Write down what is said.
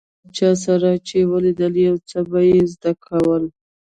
ده له هر چا سره چې ولیدل، يو څه به يې زده کول.